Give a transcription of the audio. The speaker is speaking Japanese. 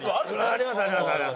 ありますあります。